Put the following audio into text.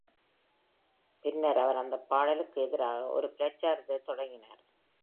பின்னர் அவர் அந்தப் பாடலுக்கு எதிராக ஒரு பிரச்சாரத்தை தொடங்கினார்.